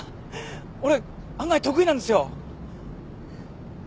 俺案外得意なんですよ。